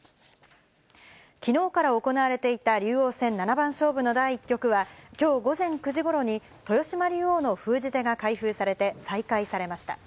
きのうから行われていた竜王戦七番勝負の第１局は、きょう午前９時ごろに、豊島竜王の封じ手が開封されて、再開されました。